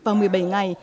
vào một mươi bảy ngày